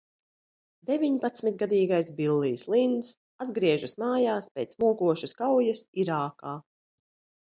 Deviņpadsmitgadīgais Billijs Linns atgriežas mājās pēc mokošas kaujas Irākā.